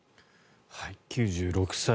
９６歳。